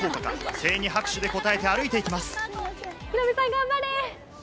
声援に拍手で応えて歩いていきます。